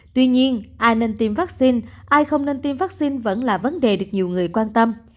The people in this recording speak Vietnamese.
tuy nhiên ai nên tiêm vaccine ai không nên tiêm vaccine vẫn là vấn đề được nhiều người quan tâm